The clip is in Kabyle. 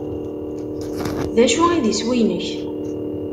D acu i d iswi-inek?